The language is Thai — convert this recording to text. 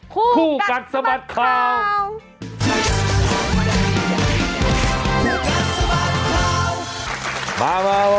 คู่กัดสะบัดข่าวคู่กัดสะบัดข่าว